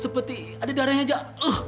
seperti ada darahnya jak